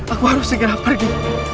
aku harus segera pergi